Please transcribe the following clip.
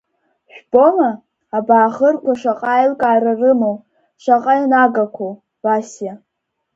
Жәбома, абааӷырқәа шаҟа аилкаара рымоу, шаҟа инагақәоу, Васиа…